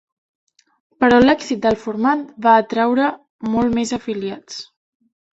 Però l'èxit del format va atraure molt més afiliats.